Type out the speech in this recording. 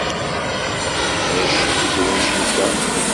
Acki-t umcic-a.